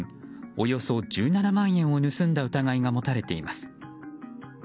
およそ１７万円を盗んだ疑いが持たれています。